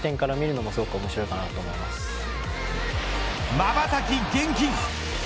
まばたき厳禁。